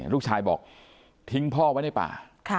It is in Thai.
ลูกชายบอกทิ้งพ่อไว้ในป่า